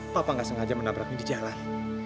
papa nggak sengaja menabraknya di jalan